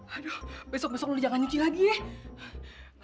aduh besok besok lu jangan nyuci lagi ya